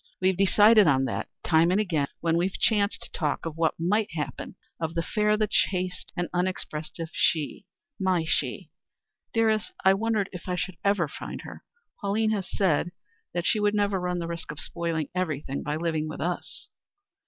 We've decided on that, time and again, when we've chanced to talk of what might happen of 'the fair, the chaste and unexpressive she' my she. Dearest, I wondered if I should ever find her. Pauline has always said that she would never run the risk of spoiling everything by living with us."